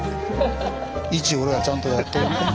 位置俺がちゃんとやってるね。